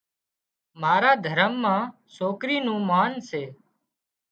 امارا دهرم مان سوڪرِي نُون مانَ سي